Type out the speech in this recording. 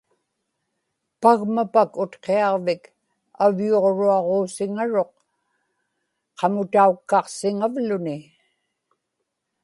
paŋmapak Utqiaġvik avyuġruaġuusiŋaruq qamutaukkaqsiŋavluni